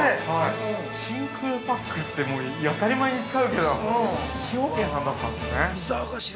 真空パックって、もう当たり前に使うけど、崎陽軒さんだったんですね。